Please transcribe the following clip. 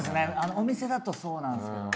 お店だとそうなんですけどね